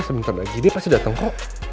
sebentar lagi dia pasti datang kok